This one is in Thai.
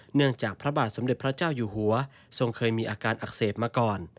เนื่องจากพระบาทสมเด็จพระเจ้าอยู่หัวทรงเคยมีอาการอักเสบมาก่อน